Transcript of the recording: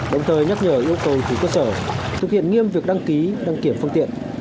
đồng thời nhắc nhở yêu cầu chủ cơ sở thực hiện nghiêm việc đăng ký đăng kiểm phương tiện